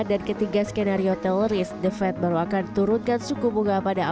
dan ketiga skenario tell risk the fed baru akan turunkan suku bunga pada akhir dua ribu dua puluh empat